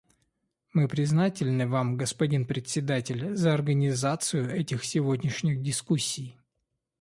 Мы признательны вам, господин Председатель, за организацию этих сегодняшних дискуссий.